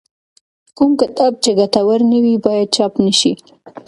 کوم کتاب چې ګټور نه وي باید چاپ نه شي.